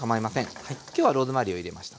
今日はローズマリーを入れました。